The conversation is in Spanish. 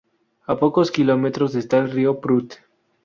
A pocos kilómetros esta el río Prut.